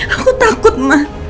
aku takut ma